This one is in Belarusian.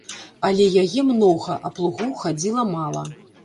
Але яе многа, а плугоў хадзіла мала.